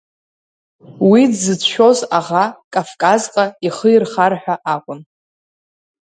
Уи дзыцәшәоз аӷа Кавказҟа ихы ирхар ҳәа акәын.